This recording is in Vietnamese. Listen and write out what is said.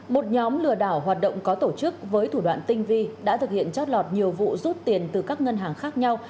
một nhóm lừa đảo hoạt động có tổ chức với thủ đoạn tinh vi đã thực hiện chót lọt nhiều vụ rút tiền từ các ngân hàng khác nhau